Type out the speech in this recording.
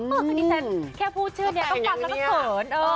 อะณเดชน์แค่พูดชื่อเนี่ยก็ฟาดก็ต้องเกิน